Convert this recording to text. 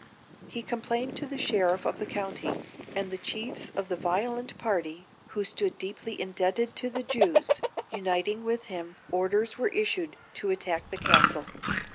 He complained to the sheriff of the county, and the chiefs of the violent party, who stood deeply indebted to the Jews, uniting with him, orders were issued to attack the castle.